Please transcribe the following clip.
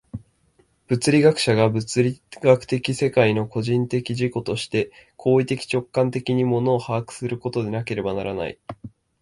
物理学者が物理学的世界の個人的自己として行為的直観的に物を把握することでなければならない。